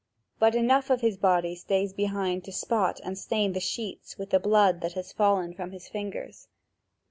But enough of his body stays behind to spot and stain the sheets with the blood which has fallen from his fingers.